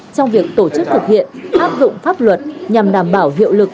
trong việc tổ chức thực hiện áp dụng pháp luật nhằm đảm bảo hiệu lực